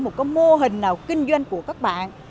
một mô hình nào kinh doanh của các bạn